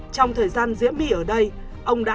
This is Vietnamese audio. trong thời gian diễm my ở đây ông đã